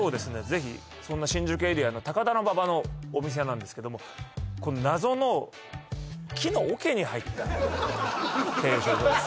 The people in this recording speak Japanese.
ぜひそんな新宿エリアの高田馬場のお店なんですけども謎の木の桶に入った定食屋さん